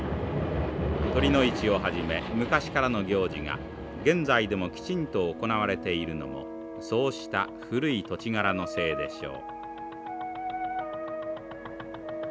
酉の市をはじめ昔からの行事が現在でもきちんと行われているのもそうした古い土地柄のせいでしょう。